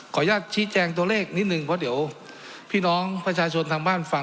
อนุญาตชี้แจงตัวเลขนิดนึงเพราะเดี๋ยวพี่น้องประชาชนทางบ้านฟัง